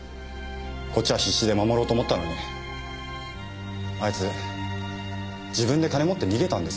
こっちは必死で守ろうと思ったのにあいつ自分で金を持って逃げたんです。